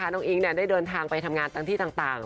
น้องอิ๊งได้เดินทางไปทำงานทั้งที่ต่าง